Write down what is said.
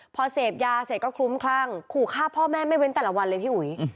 พอเสพยาเสร็จก็คลุ้มคลั่งขู่ฆ่าพ่อแม่ไม่เว้นแต่ละวันเลยพี่อุ๋ย